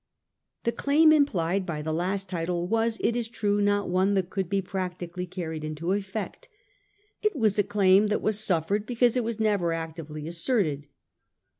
The claim implied by the last title was, it is true, not one that could be practically carried into effect. It was a claim that was suffered because it was never actively asserted.